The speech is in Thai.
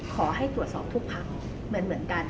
ขอให้ตรวจสอบทุกพักเหมือนกัน